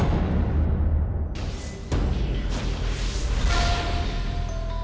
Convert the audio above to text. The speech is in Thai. มคมค